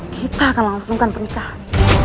kita akan langsungkan pernikahan